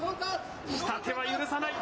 下手は許さない。